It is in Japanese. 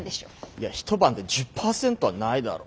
いや一晩で１０％はないだろ。